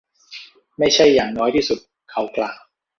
ไม่ใช่อย่างน้อยที่สุด. เขากล่าว